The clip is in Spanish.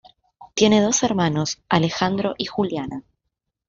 Tiene dos hermanos, Alejandro y Juliana.